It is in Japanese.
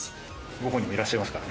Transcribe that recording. ご本人もいらっしゃいますから。